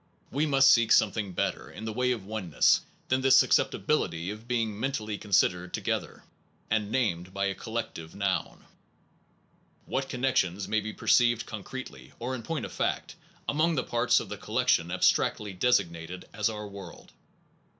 We must seek something better in the way of oneness than this susceptibility of being mentally considered together, and named by a collective noun. What connections may be perceived con cretely or in point of fact, among the parts of the collection abstractly designated as our world